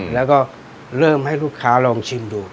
แล้วก็เริ่มให้ลูกค้าลองชิมดู